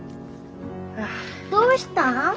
どうしたん？